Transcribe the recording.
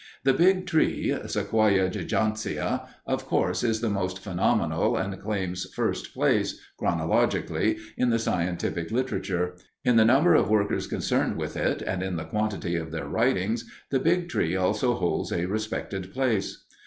The Big Tree (Sequoia gigantea), of course, is the most phenomenal and claims first place, chronologically, in the scientific literature. In the number of workers concerned with it and in the quantity of their writings, the Big Tree also holds a respected place.